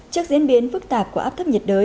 trước diễn biến phức tạp của áp thấp nhiệt đới